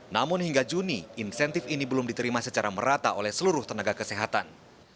namun hingga juni insentif ini belum diterima secara merata oleh seluruh tenaga kesehatan